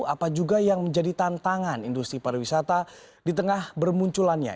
apa juga yang menjadi tantangan industri pariwisata di tengah bermunculannya